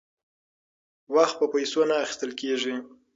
وخت په پیسو نه اخیستل کیږي.